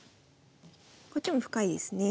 こっちも深いですね。